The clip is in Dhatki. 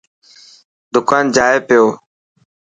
دڪان جائي پيو.